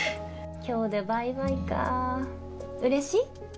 今日でバイバイかうれしい？